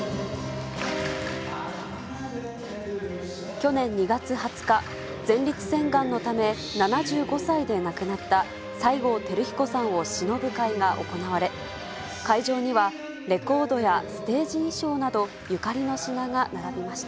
去年２月２０日、前立腺がんのため、７５歳で亡くなった西郷輝彦さんをしのぶ会が行われ、会場にはレコードやステージ衣装など、ゆかりの品が並びました。